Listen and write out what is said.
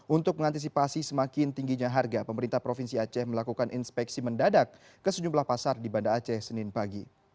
untuk mengantisipasi semakin tingginya harga pemerintah provinsi aceh melakukan inspeksi mendadak ke sejumlah pasar di banda aceh senin pagi